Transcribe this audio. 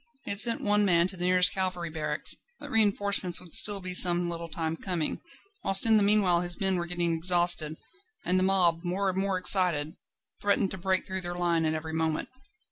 He had sent one man to the nearest cavalry barracks, but reinforcements would still be some little time coming; whilst in the meanwhile his men were getting exhausted, and the mob, more and more excited, threatened to break through their line at every moment.